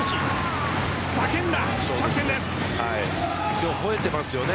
今日、ほえてますよね。